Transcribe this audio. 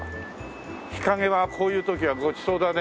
日陰はこういう時はごちそうだね。